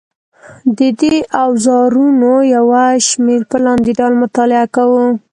د دې اوزارونو یوه شمېره په لاندې ډول مطالعه کوو.